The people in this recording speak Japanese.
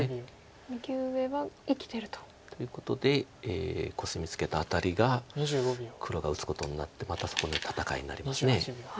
右上は生きてると。ということでコスミツケたアタリが黒が打つことになってまたそこで戦いになります。